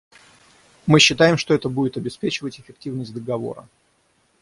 Мы считаем, что это будет обеспечивать эффективность Договора.